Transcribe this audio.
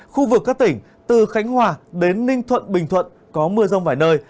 khu vực các tỉnh từ khánh hòa đến ninh thuận bình thuận có mưa rông vài nơi